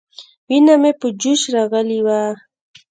وينه مې په جوش راغلې وه.